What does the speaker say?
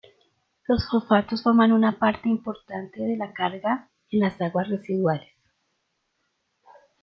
Los fosfatos forman una parte importante de la carga en las aguas residuales.